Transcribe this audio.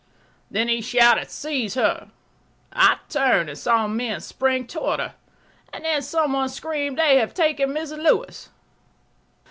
Then he shouted, "Seize her!" I turned and saw men spring toward her, and then some one screamed, "They have taken Mrs. Lewis."